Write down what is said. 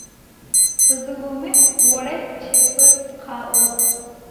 Bzıume vored çefır kha'o.